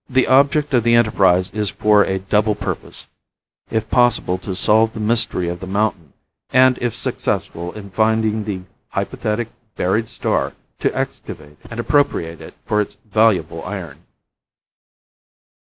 The object of the enterprise is for a double purpose, if possible to solve the mystery of the mountain, and if successful in finding the "hypothetic buried star" to excavate and appropriate it for its valuable iron.